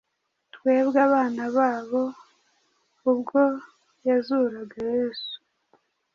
twebwe abana babo, ubwo yazuraga Yesu;